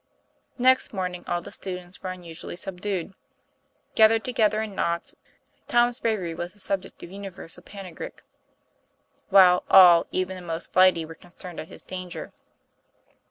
Next morning all the students were unusually subdued. Gathered together in knots, Tom's brav ery was the subject of universal panegyric; while all, even the most flighty, were concerned at his danger.